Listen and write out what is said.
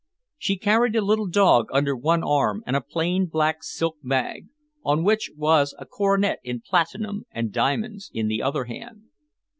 She carried a little dog under one arm and a plain black silk bag, on which was a coronet in platinum and diamonds, in the other hand.